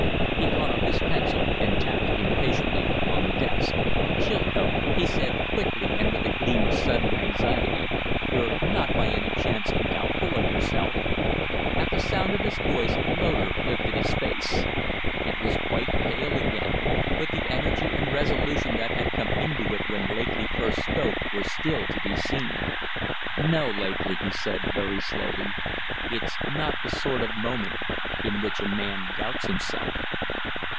He caught up his pencil and tapped impatiently on the desk. "Chilcote," he said, quickly and with a gleam of sudden anxiety, "you're not by any chance doubtful of yourself?" At sound of his voice Loder lifted his face; it was quite pale again, but the energy and resolution that had come into it when Lakely first spoke were still to be seen. "No, Lakely," he said, very slowly, "it's not the sort of moment in which a man doubts himself."